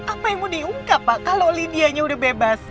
apa yang mau diungkap pak kalau lindianya udah bebas